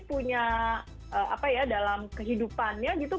punya apa ya dalam kehidupannya gitu